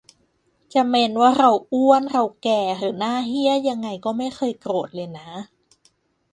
จะเม้นว่าเราอ้วนเราแก่หรือหน้าเหี้ยยังไงก็ไม่เคยโกรธเลยนะ